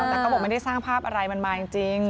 แต่เขาบอกไม่ได้สร้างภาพอะไรมันมาจริง